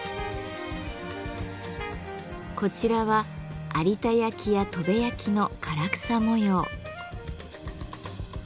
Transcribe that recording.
こちらは有田焼や砥部焼の唐草模様。